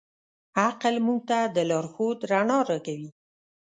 عقل موږ ته د لارښود رڼا راکوي.